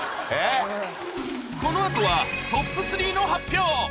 この後はトップ３の発表